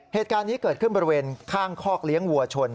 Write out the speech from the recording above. เหตุการณ์นี้เกิดขึ้นบริเวณข้างคอกเลี้ยงวัวชน